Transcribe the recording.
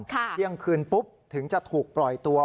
เที่ยงคืนปุ๊บถึงจะถูกปล่อยตัว